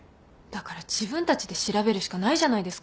だから自分たちで調べるしかないじゃないですか。